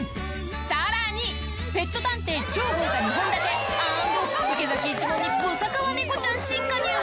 さらに、ペット探偵、超豪華２本立て＆池崎一門にブサカワ猫ちゃん新加入。